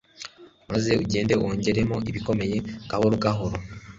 maze ugende wongeramo ibikomeye gahoro gahoro